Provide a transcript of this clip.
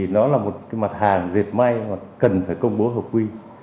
nó là một mặt hàng dệt may mà cần phải công bố hợp quy